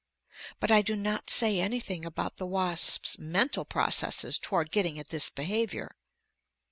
But I do not say anything about the wasp's mental processes toward getting at this behavior.